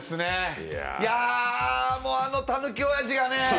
いや、あのたぬきおやじがねえ。